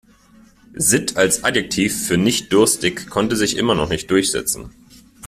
Sitt als Adjektiv für nicht-durstig konnte sich noch immer nicht durchsetzen.